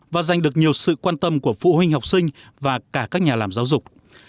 và giành được nhiều sự quan tâm của phụ huynh học sinh và cả các nhà làm giáo dục